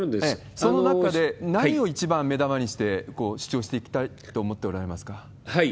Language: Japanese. その中で何を一番目玉にして、主張していきたいと思っておられますか？